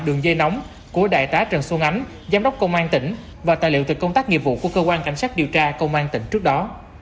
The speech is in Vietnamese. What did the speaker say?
đường dây nóng của đại tá trần xuân ánh giám đốc công an tỉnh và tài liệu từ công tác nghiệp vụ của cơ quan cảnh sát điều tra công an tỉnh trước đó